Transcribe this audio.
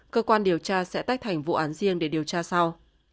cơ quan điều tra sẽ tách thành vụ án riêng để điều tra sau